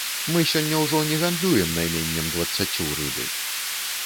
Мы сёння ўжо не гандлюем найменнем дваццаццю рыбы.